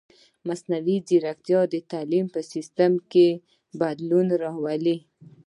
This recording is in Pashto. مصنوعي ځیرکتیا د تعلیم په سیستم کې بدلون راولي.